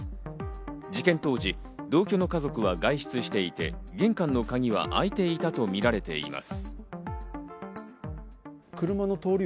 事件当時、同居の家族は外出していて、玄関の鍵は開いていたとみられています。